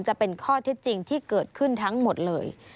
จะเป็นข้อเท็จจริงที่เกิดขึ้นทั้งหมดเลย